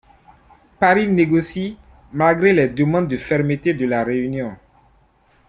Paris négocie, malgré les demandes de fermeté de La Réunion.